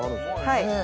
はい。